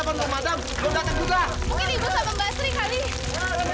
ada dua orang yang sepetahkan di dalam